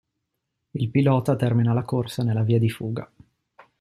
Il pilota termina la corsa nella via di fuga.